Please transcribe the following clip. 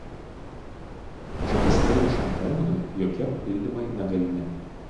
Tačiau pasibaigus šiam terminui jokie papildymai negalimi.